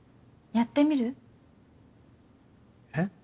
やってみる？え？